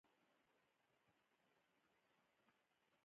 ایا زه باید ذکر وکړم؟